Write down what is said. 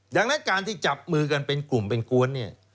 อย่างนั้นการที่จับมือกันเป็นกลุ่มเป็นกวน